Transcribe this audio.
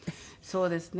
そうですね。